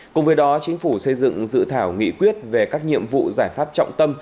cùng với đó chính phủ xây dựng dự thảo nghị quyết về các nhiệm vụ giải pháp trọng tâm